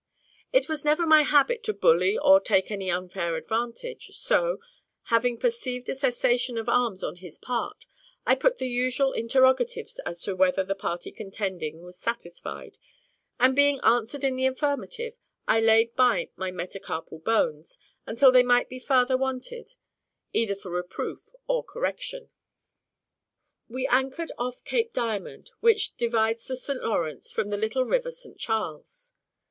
It was never my habit to bully or take any unfair advantage; so, having perceived a cessation of arms on his part, I put the usual interrogatives as to whether the party contending was satisfied; and being answered in the affirmative, I laid by my metacarpal bones until they might be farther wanted, either for reproof or correction. We anchored off Cape Diamond, which divides the St Lawrence from the little river St Charles.